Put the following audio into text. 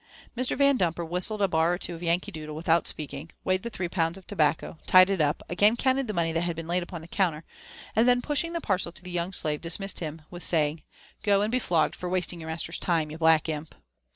Mr. Yandumper whistled a bar or two of Yankee Doodle without speaking, weighed the three pounds of tobacco, tied it up, again counted the money that had been laid upon the counter, and then pushing the parcel to the young slave, dismissed him with saying, *' Go and be flogged for wasting your master's time, you black imp